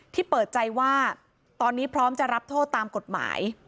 เปิดใจว่าตอนนี้พร้อมจะรับโทษตามกฎหมาย